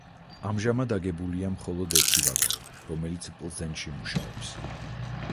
ამჟამად აგებულია მხოლოდ ერთი ვაგონი, რომელიც პლზენში მუშაობს.